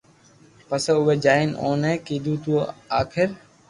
پسي اووي جائين اوني ڪيڌو تو آ ڪر